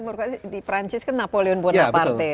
karena waktu itu di prancis kan napoleon bonaparte